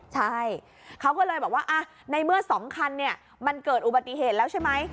ใช่เขาก็เลยบอกว่าในเมื่อ๒คันมันเกิดอุบัติเหตุแล้วใช่ไหม